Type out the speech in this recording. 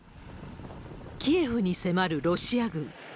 キエフに迫るロシア軍。